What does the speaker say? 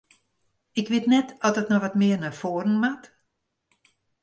Ik wit net oft it noch wat mear nei foaren moat?